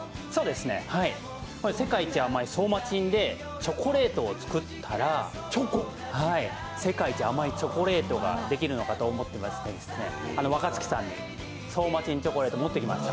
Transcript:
世界一甘いソーマチンでチョコレートを作ったら世界一甘いチョコレートができるということで若槻さんにソーマチンチョコレート持ってきました。